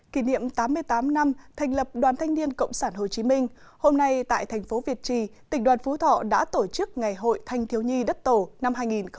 kỷ niệm tám mươi tám năm thành lập đoàn thanh niên cộng sản hồ chí minh hôm nay tại thành phố việt trì tỉnh đoàn phú thọ đã tổ chức ngày hội thanh thiếu nhi đất tổ năm hai nghìn một mươi chín